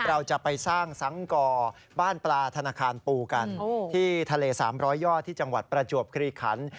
เราจะไปสร้างสังก่อบ้านปลาธนาคารปูกันที่ทะเล๓๐๐ยอดที่จังหวัดประจวบคลีขัน